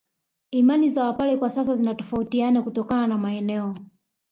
Imani za Wapare kwa sasa zinatofautiana kutokana na maeneo